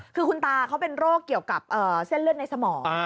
คือคุณตาเขาเป็นโรคเกี่ยวกับเส้นเลือดในสมอง